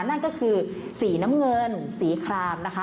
นั่นก็คือสีน้ำเงินสีครามนะคะ